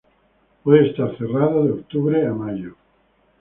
Puede estar cerrado de octubre a mayo.